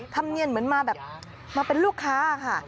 ธรรมเนียนเหมือนมาแบบมาเป็นลูกค้าค่ะ